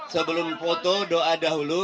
sebelum foto doa dahulu